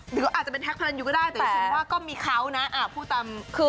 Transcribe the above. หรือว่าอาจจะเป็นแท็กพระรันยูก็ได้แต่ต้องว่าก็มีเค้านะผู้ตำรับ